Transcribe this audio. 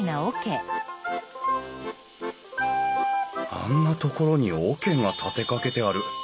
あんなところに桶が立てかけてある。